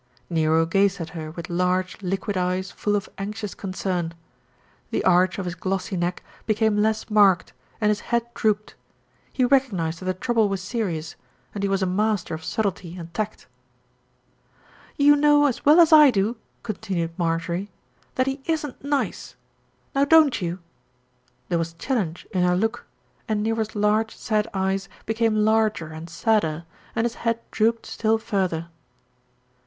Nero gazed at her with large, liquid eyes full of anxious concern. The arch of his glossy neck became less marked, and his head drooped. He recognised that the trouble was serious, and he was a master of subtlety and tact. 186 THE RETURN OF ALFRED "You know as well as I do," continued Marjorie, "that he isn't nice. Now don't you?" There was challenge in her look, and Nero's large, sad eyes be came larger and sadder, and his head drooped still further.